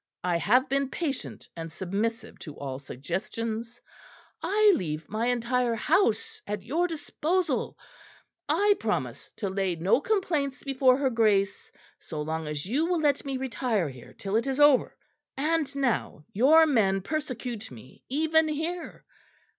I have been patient and submissive to all suggestions; I leave my entire house at your disposal; I promise to lay no complaints before her Grace, so long as you will let me retire here till it is over and now your men persecute me even here.